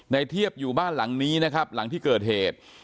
เทียบอยู่บ้านหลังนี้นะครับหลังที่เกิดเหตุ